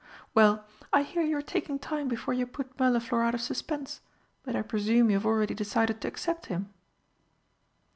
"Well, I hear you are taking time before you put Mirliflor out of suspense, but I presume you've already decided to accept him?"